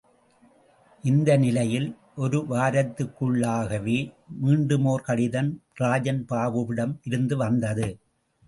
இந்த நிலையில் ஒருவாரத்துக்குள்ளாகவே, மீண்டுமோர் கடிதம் ராஜன் பாபுவிடம் இருந்து வந்தது.